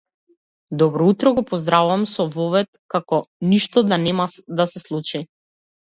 Добро утро, го поздравувам со вовед како ништо да нема да се случи.